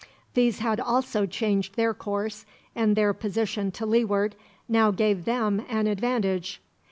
These had also changed their course, and their position to leeward now gave them an advantage.